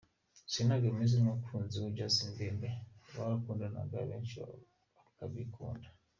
Selena Gomez n'umukunzi we Justin Bieber barakundanaga benshi bakabikunda.